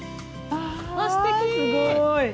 あすごい！